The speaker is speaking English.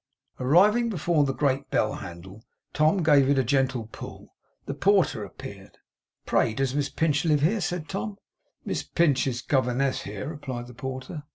Arriving before the great bell handle, Tom gave it a gentle pull. The porter appeared. 'Pray does Miss Pinch live here?' said Tom. 'Miss Pinch is governess here,' replied the porter.